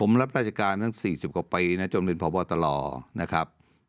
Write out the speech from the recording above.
ผมรับราชการตั้ง๔๐กว่าปีนะจนเป็นพบตลนะครับ